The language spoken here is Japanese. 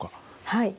はい。